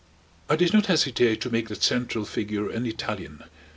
I did not hesitate to make that central figure an Italian.